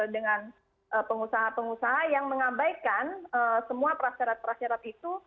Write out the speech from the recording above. dengan pengusaha pengusaha yang mengabaikan semua prasyarat prasyarat itu